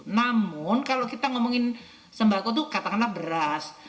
namun kalau kita ngomongin sembako itu katakanlah beras